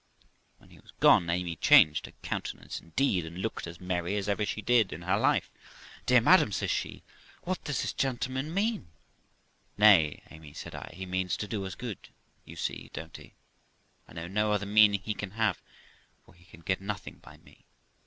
When he was gone, Amy changed her countenance indeed, and looked as merry as ever she did in her life. ' Dear madam ', says she, ' what does this gentleman mean?' 'Nay, Amy', said I, 'he means to do us good, you see, don't he ? I know no other meaning he can have, for he can get nothing by me.'